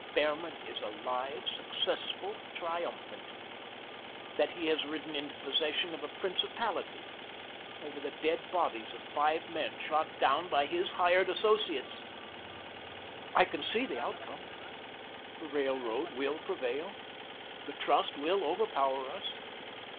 Behrman is alive, successful, triumphant; that he has ridden into possession of a principality over the dead bodies of five men shot down by his hired associates. "I can see the outcome. The Railroad will prevail. The Trust will overpower us.